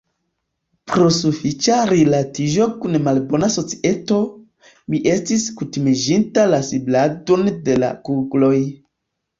Pro sufiĉa rilatiĝo kun malbona societo, mi estis kutimiĝinta la sibladon de la kugloj.